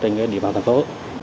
trên địa bàn thành phố